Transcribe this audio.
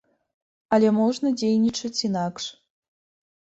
Але можна дзейнічаць інакш.